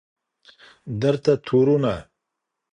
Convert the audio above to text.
درته تورونه